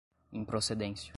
improcedência